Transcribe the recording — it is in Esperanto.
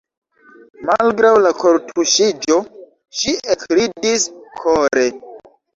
Malgraŭ la kortuŝiĝo ŝi ekridis kore.